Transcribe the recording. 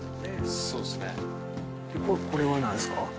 これは何ですか？